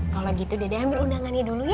kalo gitu dadah yang berundangannya dulu ya